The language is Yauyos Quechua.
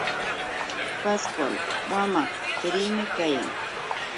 Pascual wamaq churiymi kayan.